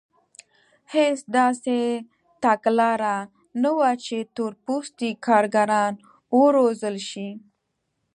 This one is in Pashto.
هېڅ داسې تګلاره نه وه چې تور پوستي کارګران وروزل شي.